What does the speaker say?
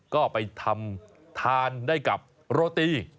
ก็ไปทำทานได้กับโรตี